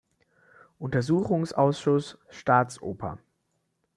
Untersuchungsausschuss „Staatsoper“.